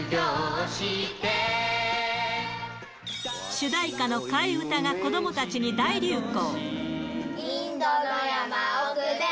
主題歌の替え歌が子どもたちに大流行。